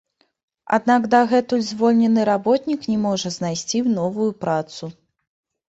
Аднак дагэтуль звольнены работнік не можа знайсці новую працу.